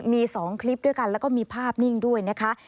มี๒คลิปด้วยกันแล้วก็มีภาพนิ่งด้วยนะคะ